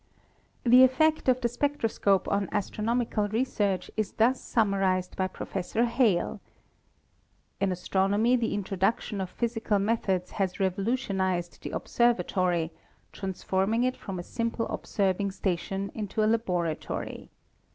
The effect of the spectroscope on astronomical research is thus summarized by Professor Hale : "In astronomy the introduction of physical methods has revolutionized the ob servatory, transforming it from a simple observing station into a laboratory.